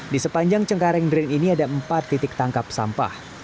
di sepanjang cengkareng drain ini ada empat titik tangkap sampah